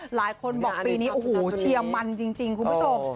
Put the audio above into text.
หลายคนบอกปีนี้โอ้โหเชียร์มันจริงคุณผู้ชม